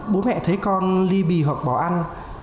bố mẹ thấy con ly bì hoặc bỏ ăn